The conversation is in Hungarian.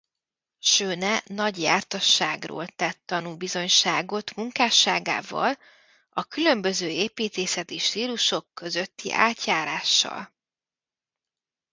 Schöne nagy jártasságról tett tanúbizonyságot munkásságával a különböző építészeti stílusok közötti átjárással.